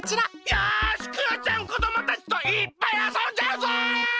よしクヨちゃんこどもたちといっぱいあそんじゃうぞ！